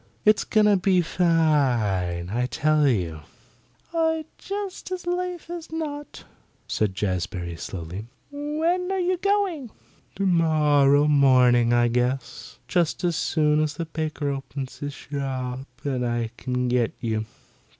It's going to be fine, I tell you." "I'd just as lief as not," said Jazbury slowly. "When are you going?" "Tomorrow morning, I guess; just as soon as the baker opens his shop and I can get you."